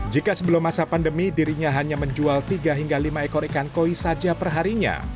jika sebelum masa pandemi dirinya hanya menjual tiga hingga lima ekor ikan koi saja perharinya